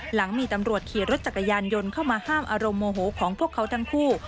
หลังมีตำรวจขี่รถจักรยานยนต์เข้ามาห้ามอารมณ์โมโหของพวกเขาทั้งคู่